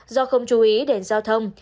do không chú ý đến giao thông